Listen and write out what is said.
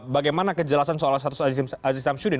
bagaimana kejelasan soal status aziz samsyudin